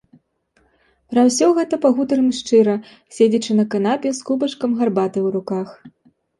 Пра ўсё гэта пагутарым шчыра, седзячы на канапе з кубачкам гарбаты ў руках.